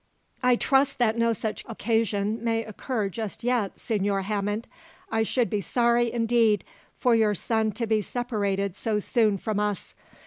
"I trust that no such occasion may occur just yet, Signor Hammond. I should be sorry, indeed, for your son to be separated so soon from us.